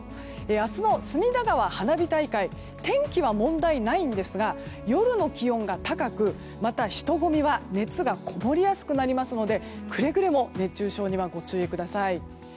明日の隅田川花火大会天気は問題ないんですが夜の気温が高く、また人混みは熱がこもりやすくなりますのでくれぐれも熱中症にはご注意ください。